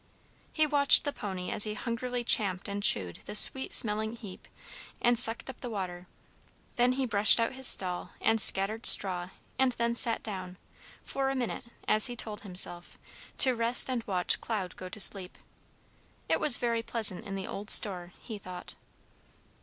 He watched the pony as he hungrily champed and chewed the sweet smelling heap and sucked up the water, then he brushed out his stall, and scattered straw, and then sat down "for a minute," as he told himself, to rest and watch Cloud go to sleep. It was very pleasant in the old store, he thought.